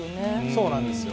そうなんです。